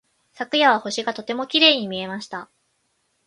昨夜は星がとてもきれいに見えました。